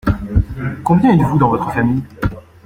Combien êtes-vous dans votre famille ?